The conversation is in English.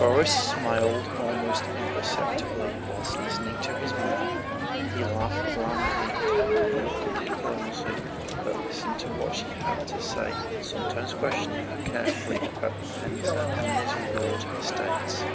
Borís smiled almost imperceptibly while listening to his mother. He laughed blandly at her naïve diplomacy but listened to what she had to say, and sometimes questioned her carefully about the Pénza and Nizhegórod estates.